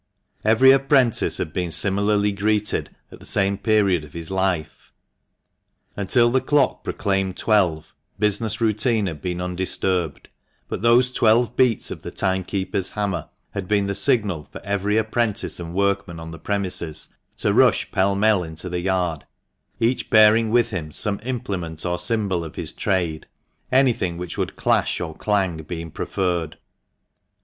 Every apprentice had been similarly greeted at the same period of his life. Until the clock proclaimed twelve, business routine had been undisturbed, but those twelve beats of the timekeeper's hammer had been the signal for every apprentice and workman on the premises to rush pell mell into the yard, each bearing with him some THE MANCHESTER MAN. 259 implement or symbol of his trade, anything which would clash or clang being preferred.